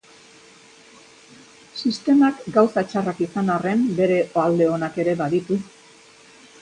Sistemak gauza txarrak izan arren, bere alde onak ere baditu.